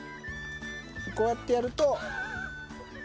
こうやってやると。